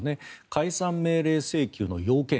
解散命令請求の要件